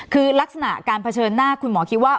คือลักษณะการเผชิญหน้าคุณหมอคิดว่า